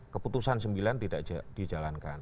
keputusan sembilan tidak dijalankan